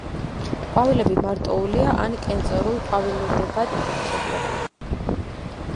ყვავილები მარტოულია ან კენწრულ ყვავილედებად შეკრებილი.